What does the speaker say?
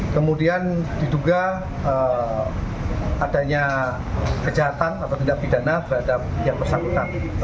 kemudian diduga adanya kejahatan atau tidak pidana berhadap pihak persangkutan